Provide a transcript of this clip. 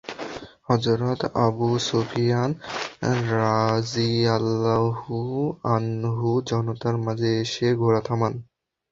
হযরত Abu Sufyan রাযিয়াল্লাহু আনহু জনতার মাঝে এসে ঘোড়া থামান।